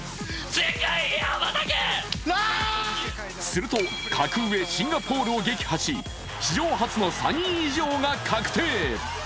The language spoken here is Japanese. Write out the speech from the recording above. すると、格上・シンガポールを撃破し、史上初の３位以上が確定。